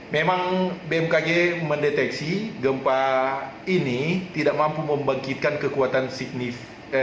memang bmkg mendeteksi gempa ini tidak mampu membangkitkan kekuatan signif